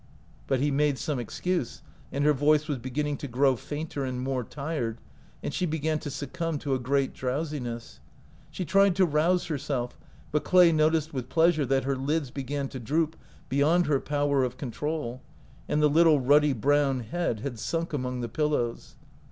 But he made some excuse, and her voice was beginning to grow fainter and more tired, and she began to succumb to a great drowsi ness. She tried to rouse herself, but Clay noticed with pleasure that her lids began to droop beyond her power of control, and the little ruddy brown head had sunk among the pillows.